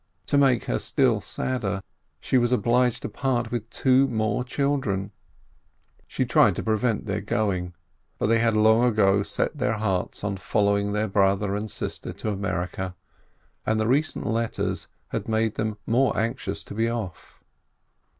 To make her still sadder, she was obliged to part with two more children. She tried to prevent their going, but they had long ago set their hearts on following their brother and sister to America, and the recent letters had made them more anxious to be off.